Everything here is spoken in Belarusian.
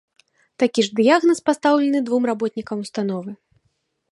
Такі ж дыягназ пастаўлены двум работнікам ўстановы.